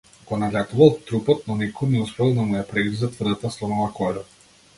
Го надлетувал трупот, но никако не успевал да му ја прегризе тврдата слонова кожа.